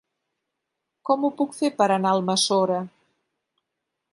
Com ho puc fer per anar a Almassora?